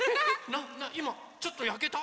いまちょっとやけた？